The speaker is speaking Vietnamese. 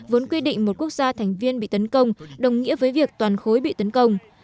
vốn quy định một quốc gia thành viên bị tấn công đồng nghĩa với việc toàn khối bị tấn công